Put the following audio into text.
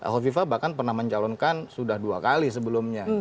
hovifa bahkan pernah mencalonkan sudah dua kali sebelumnya